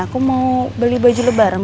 aku mau beli baju lu bareng